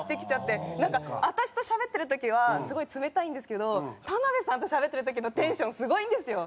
なんか私としゃべってる時はすごい冷たいんですけど田辺さんとしゃべってる時のテンションすごいんですよ。